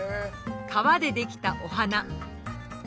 皮で出来たお花。